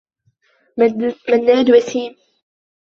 منّاد وسيم.